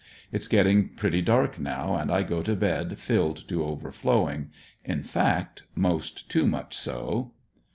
It's getting pretty dark now, and I go to bed filled to overflowing; in fact, most too much so.